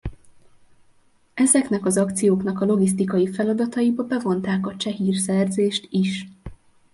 Ezeknek az akcióknak a logisztikai feladataiba bevonták a cseh hírszerzést is.